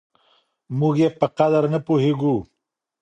موږ يې په قدر نه پوهېږو.